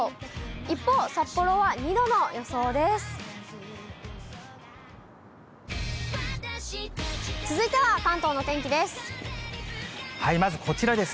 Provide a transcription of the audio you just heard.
一方、札幌は２度の予想です。